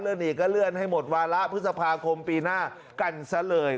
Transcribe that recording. อีกก็เลื่อนให้หมดวาระพฤษภาคมปีหน้ากันซะเลย